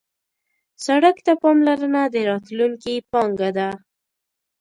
سړک ته پاملرنه د راتلونکي پانګه ده.